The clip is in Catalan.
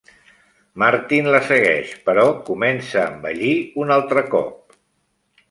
Martin la segueix, però comença a envellir un altre cop.